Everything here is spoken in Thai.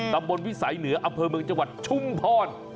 ตำบลวิสัยเหนืออำเภอเมืองจังหวัดชุมพร